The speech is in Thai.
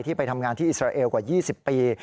ไปทำงานที่อิสราเอลกว่า๒๐ปี